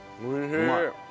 うまい。